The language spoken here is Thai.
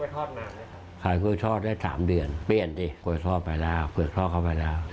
ตอนนั้นขายกล้วยทอดนานไหมครับ